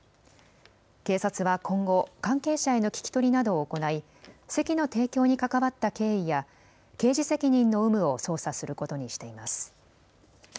警察は今後、関係者への聞き取りなどを行い、席の提供に関わった経緯や、刑事責任の有無を捜査することにしています。